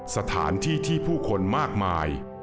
สถานที่ที่ผู้คนมากมาย